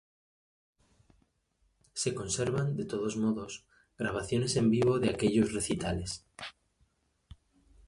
Se conservan, de todos modos, grabaciones en vivo de aquellos recitales.